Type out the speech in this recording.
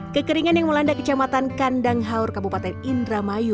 kekeringan yang melanda kecamatan kandang haur kabupaten indramayu